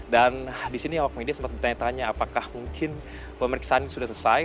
dan di sini awak media sempat bertanya tanya apakah mungkin pemeriksaan ini sudah selesai